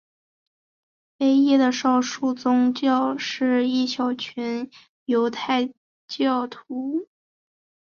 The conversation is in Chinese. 唯一的少数宗教是一小群犹太教徒。